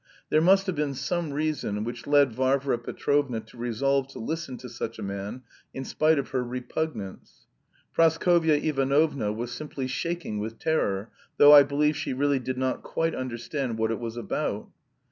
There must have been some reason which led Varvara Petrovna to resolve to listen to such a man in spite of her repugnance. Praskovya Ivanovna was simply shaking with terror, though, I believe she really did not quite understand what it was about.